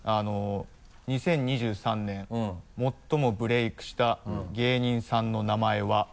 ２０２３年最もブレイクした芸人さんの名前は？